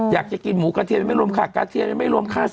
อยากจะกินหมูกระเทียนยังไม่รวมค่ากระเทียนยังไม่รวมค่าสุดท้าย